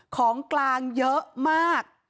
ของกลางเยอะมาก